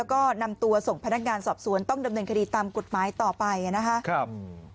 แล้วก็นำตัวส่งพนักงานสอบสวนต้องดำเนินคดีตามกฎหมายต่อไปนะครับ